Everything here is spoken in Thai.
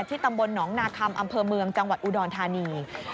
ตำบลหนองนาคมอำเภอเมืองจังหวัดอุดรธานี